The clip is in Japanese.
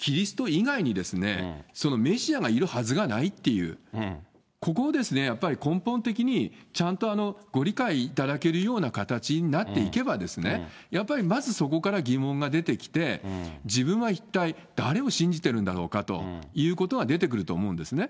意外にメシアがいるはずがないっていう、ここをやっぱり、根本的にちゃんとご理解いただけるような形になっていけば、やっぱりまずそこから疑問が出てきて、自分は一体誰を信じてるんだろうかと出てくると思うんですね。